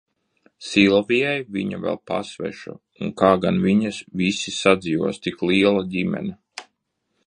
Silvijai viņa vēl pasveša, un kā gan viņi visi sadzīvos, tik liela ģimene!